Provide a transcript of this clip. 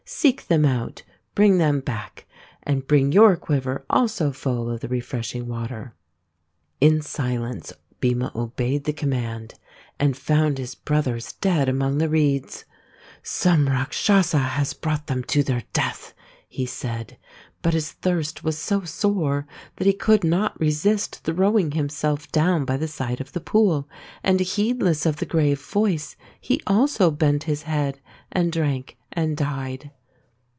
Seek them out, bring them back, and bring your quiver also full of the refreshing water." In silence Bhima obeyed the command, and found his brothers dead among the reeds. " Some Rakshasa has brought them to their death," he said, but his thirst was so sore that he could not resist throwing himself down by the side of the pool, and, heedless of the grave Voice, he also bent his head, and drank, and died.